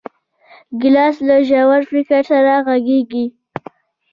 ګیلاس له ژور فکر سره غږېږي.